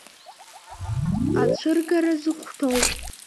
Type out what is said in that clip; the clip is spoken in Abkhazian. Ацәыргара зыхәҭоу.